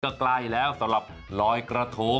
ก็ใกล้แล้วสำหรับลอยกระทง